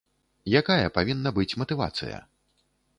Якая павінна быць матывацыя?